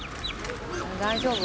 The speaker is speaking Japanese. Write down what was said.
大丈夫？